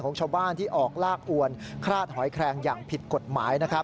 ของชาวบ้านที่ออกลากอวนคลาดหอยแคลงอย่างผิดกฎหมายนะครับ